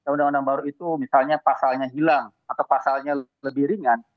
undang undang baru itu misalnya pasalnya hilang atau pasalnya lebih ringan